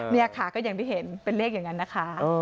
นี่ค่ะก็อย่างที่เห็นเป็นเลขอย่างนั้นนะคะ